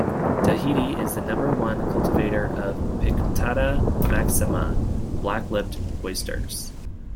Tahiti is the number one cultivator of "Pinctada maxima" black-lipped oysters.